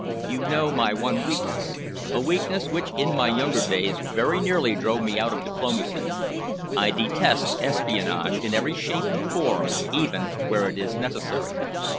You know my one weakness, a weakness which in my younger days very nearly drove me out of diplomacy. I detest espionage in every shape and form even where it is necessary.